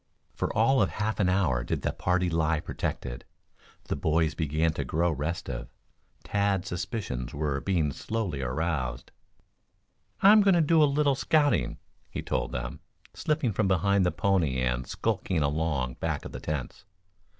For all of half an hour did the party lie protected. The boys began to grow restive. Tad's suspicions were being slowly aroused. "I'm going to do a little scouting," he told them, slipping from behind the pony and skulking along back of the tents.